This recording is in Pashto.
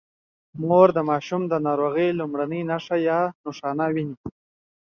مور د ماشوم د ناروغۍ لومړنۍ نښې ويني.